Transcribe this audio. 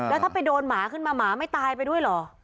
แล้วถ้าไปโดนหมาขึ้นมาหมาไม่ตายไปด้วยเหรอ